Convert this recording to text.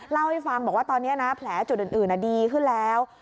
เล่าให้ฟังบอกว่าตอนนี้นะแผลจุดอื่นดีขึ้นแล้ว